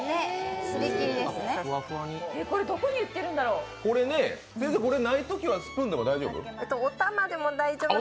これどこに売ってるんだろう？ないときはスプーンでも大丈夫？